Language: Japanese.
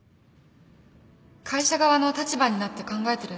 会社側の立場になって考えてるだけ